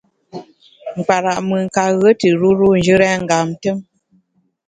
Nkpara’ mùn ka ghue tù ruru njù rèn ngam tùm.